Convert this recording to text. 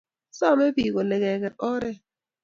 Same pik kolee keker oret